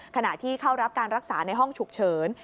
ขณะที่เข้ารับการรักษาในห้องฉุกเฉิน